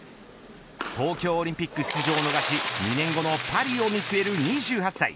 東京オリンピック出場を逃し２年後のパリを見据える２８歳。